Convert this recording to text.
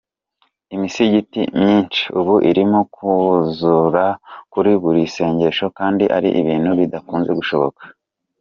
Imisigiti myinshi ubu irimo kwuzura kuri buri sengesho kandi ari ibintu bidakunze gushoboka.